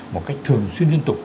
một cách thường xuyên liên tục